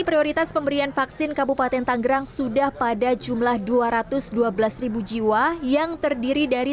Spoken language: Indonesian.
prioritas pemberian vaksin kabupaten tanggerang sudah pada jumlah dua ratus dua belas jiwa yang terdiri dari